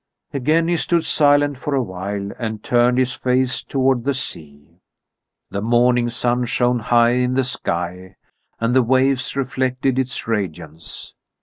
Again he stood silent for a while and turned his face toward the sea. The morning sun shone high in the sky, and the waves reflected its radiance.